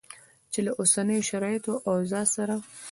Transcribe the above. چې له اوسنیو شرایطو او اوضاع سره